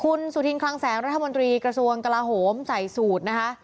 คุณสุธินคลังแสงรัฐมนตรีกระทรวงกลาโหมใส่สูตรนะคะ